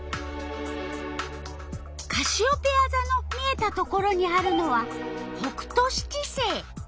カシオペヤざの見えたところにあるのは北斗七星。